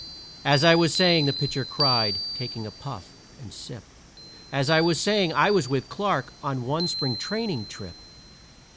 "As I was saying," the pitcher cried, Taking a puff and sip, "As I was saying, I was with Clarke On one Spring training trip!"